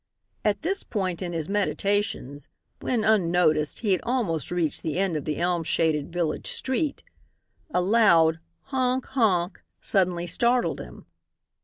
At this point in his meditations, when, unnoticed, he had almost reached the end of the elm shaded village street, a loud "Honk! Honk!" suddenly startled him.